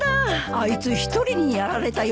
あいつ一人にやられたよ。